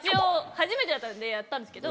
初めてだったんでやったんですけど。